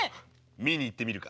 見に行ってみるか？